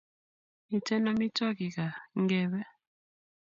Miten amitwakik kaa ingebe